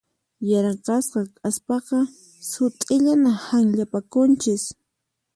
Yaraqasqa kaspaqa sut'illata hanllapakunchis.